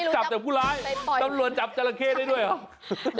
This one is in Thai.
จับแต่ผู้ร้ายตำรวจจับจราเข้ได้ด้วยเหรอ